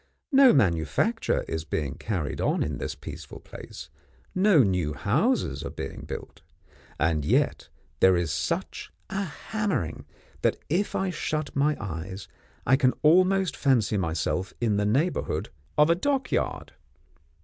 No manufacture is being carried on in this peaceful place, no new houses are being built; and yet, there is such a hammering, that, if I shut my eyes, I can almost fancy myself in the neighbourhood of a dock yard.